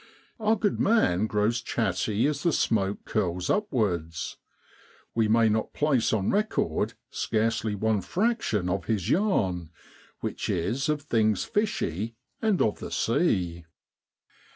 Our good man grows chatty as the smoke curls upwards. We may not place on record scarcely one fraction of his yarn, which is of things fishy and of the sea.